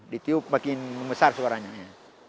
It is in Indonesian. di tube makin membesar suaranya